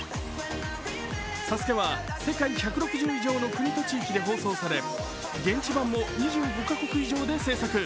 ＳＡＳＵＫＥは世界１６０以上の国と地域で放送され現地版も２５カ国以上で制作。